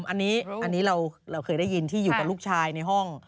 อันนี้เราเคยได้ยินที่อยู่กับลูกชายในห้อง